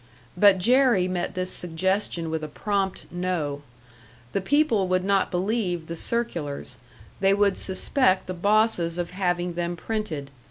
But Jerry met this suggestion with a prompt no. The people would not believe the circulars, they would suspect the bosses of having them printed.